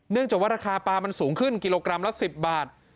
จากว่าราคาปลามันสูงขึ้นกิโลกรัมละ๑๐บาท